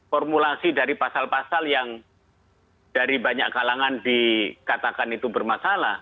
formulasi dari pasal pasal yang dari banyak kalangan dikatakan itu bermasalah